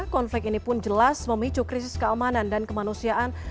konflik ini pun jelas memicu krisis keamanan dan kemanusiaan